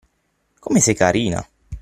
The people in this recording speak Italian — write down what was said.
Come sei carina!